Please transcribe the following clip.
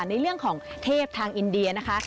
ในเรื่องของเทพทางอินเดียนะคะ